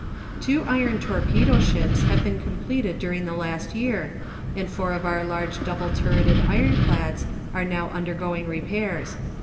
Two iron torpedo ships have been completed during the last year, and four of our large double turreted ironclads are now undergoing repairs.